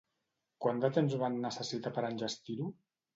Quant de temps van necessitar per enllestir-ho?